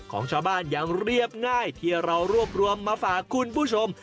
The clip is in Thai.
ของชาวบ้านอย่างเรียบง่ายที่เรารวบรวมมาฝากคุณผู้ชม